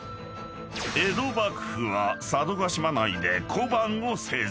［江戸幕府は佐渡島内で小判を製造］